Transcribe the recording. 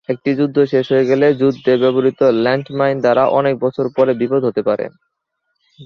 একটি যুদ্ধ শেষ হয়ে গেলে, যুদ্ধে ব্যবহৃত ল্যান্ড মাইন দ্বারা অনেক বছর পরে বিপদ হতে পারে।